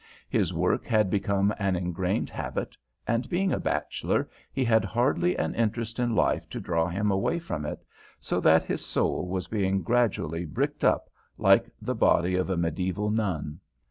His work had become an engrained habit, and, being a bachelor, he had hardly an interest in life to draw him away from it, so that his soul was being gradually bricked up like the body of a mediæval nun.